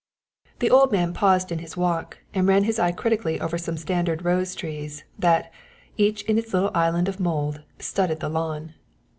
The old man paused in his walk and ran his eye critically over some standard rose trees, that, each in its little island of mould, studded the lawn.